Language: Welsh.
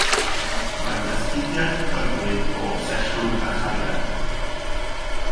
Mae'n astudiaeth hyfryd o obsesiwn a chariad.